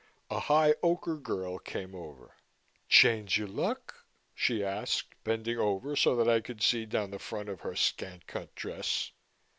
A high ochre girl came over. "Change yo' luck?" she asked, bending over so that I could see down the front of her scant cut dress.